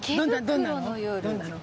どんなの？